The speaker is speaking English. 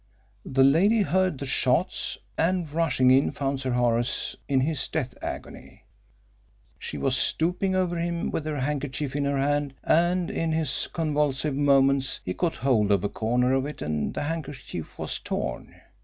The lady heard the shots, and, rushing in, found Sir Horace in his death agony. She was stooping over him with her handkerchief in her hand, and in his convulsive moments he caught hold of a corner of it and the handkerchief was torn.